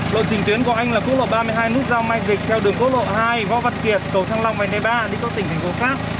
lộn trình tuyến của anh là quốc lộ ba mươi hai nước giao mai vịch theo đường quốc lộ hai võ văn kiệt cầu trăng long vành đề ba đi qua tỉnh thành phố khác